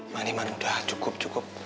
mani man udah cukup cukup